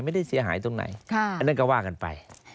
ไม่ได้เสียหายตรงไหนอันนั้นก็ว่ากันไป